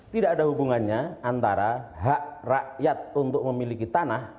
tidak ada hubungannya antara hak rakyat untuk memiliki tanah